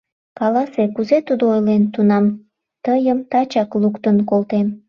Каласе, кузе тудо ойлен, тунам тыйым тачак луктын колтем.